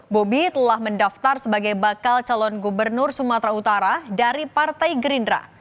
bobi telah mendaftar sebagai bakal calon gubernur sumatera utara dari partai gerindra